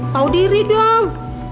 tau diri dong